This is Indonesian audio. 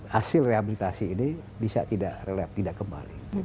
hasil rehabilitasi ini bisa tidak kembali